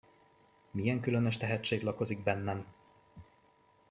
Milyen különös tehetség lakozik bennem!